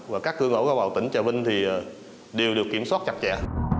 và các cư ngộ cao bào tỉnh trà vinh thì đều được kiểm soát chặt chẽ